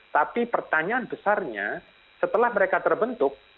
tapi pertanyaan besarnya setelah mereka terbentuk